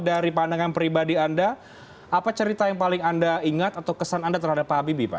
dari pandangan pribadi anda apa cerita yang paling anda ingat atau kesan anda terhadap pak habibie pak